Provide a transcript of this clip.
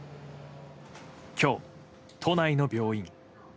今日、都内の病院。